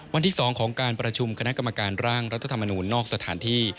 วันที่๒ของการประชุมคณะกรรมการร่างรัฐธรรมนูลนอกสถานที่